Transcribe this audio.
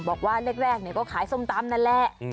บอกว่าแรกก็ขายส้มตำนั่นแหละ